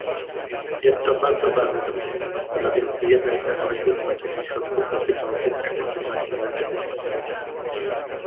Jest to bardzo ważny dokument, stanowiący jeden z elementów pakietu środków dotyczących efektywności energetycznej